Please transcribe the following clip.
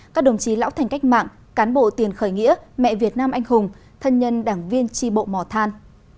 các đồng chí lão thành cách mạng cán bộ tiền khởi nghĩa mẹ việt nam anh hùng thân nhân đảng viên tri bộ mò than